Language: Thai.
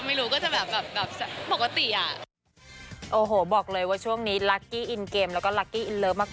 เซอร์เยอะไหมคะของสิ่งที่เขาขอบใจ